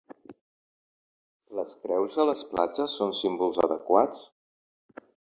Les creus a les platges són símbols adequats?